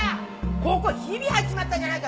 ここヒビ入っちまったじゃないか！